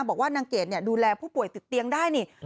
บอกว่านางเกดดูแลผู้ป่วยติดเตียงได้นี่